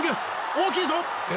大きいぞ！？